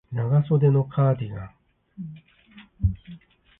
長袖のカーディガン